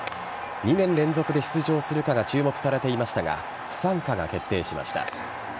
２年連続で出場するかが注目されていましたが不参加が決定しました。